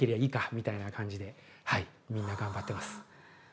みたいな感じではいみんな頑張ってます。